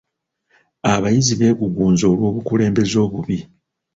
Abayizi beegugunze olw'obukulembeze obubi.